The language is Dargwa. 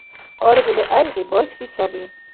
Аргъили гӀергъи, бархьси саби.